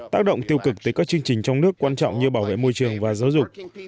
tác động tiêu cực tới các chương trình trong nước quan trọng như bảo vệ môi trường và giáo dục